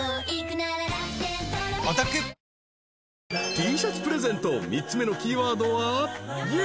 ［Ｔシャツプレゼント３つ目のキーワードは］